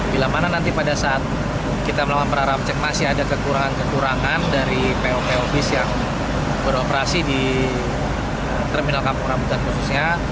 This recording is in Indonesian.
bila mana nanti pada saat kita melakukan para ram cek masih ada kekurangan kekurangan dari po pos yang beroperasi di terminal kampung rambutan khususnya